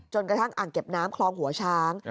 กระทั่งอ่างเก็บน้ำคลองหัวช้าง